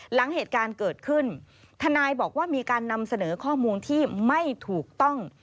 หลังเหตุการณ์เกิดขึ้นทนายบอกว่ามีการนำเสนอข้อมูลที่ไม่ถูกต้อง